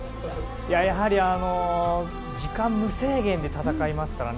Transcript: やはり時間無制限で戦いますからね。